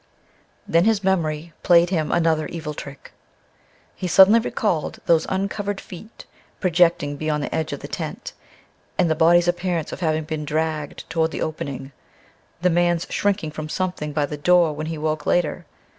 Then his memory played him another evil trick. He suddenly recalled those uncovered feet projecting beyond the edge of the tent, and the body's appearance of having been dragged towards the opening; the man's shrinking from something by the door when he woke later.